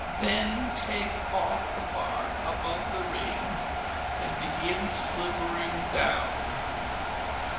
Then you take off the bark above the ring and begin slivering down.